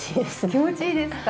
気持ちいいですか？